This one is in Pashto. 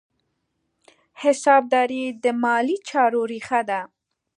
حسابداري د مالي چارو ریښه ده.